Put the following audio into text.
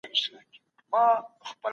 که خلک مسلک ونه لري، اقتصاد به وده ونه کړي.